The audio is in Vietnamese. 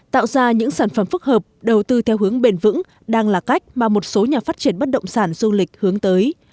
tạo ra những sản phẩm phức hợp đầu tư theo hướng bền vững đang là cách mà một số nhà phát triển bất động sản du lịch hướng tới